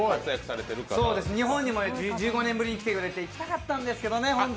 日本にも１５年ぶりに来てくれて、行きたかったんですけどね。